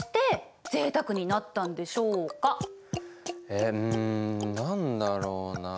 うん何だろうなあ。